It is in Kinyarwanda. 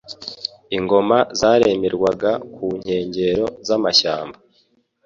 Ingoma zaremerwaga ku nkengero z'amashyamba